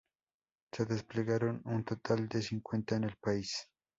Se desplegaron un total de cincuenta en el país.